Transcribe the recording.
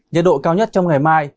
nhật độ cao nhất trong ngày mai